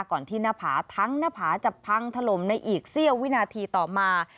ที่หน้าผาทั้งหน้าผาจะพังถล่มในอีกเสี้ยววินาทีต่อมา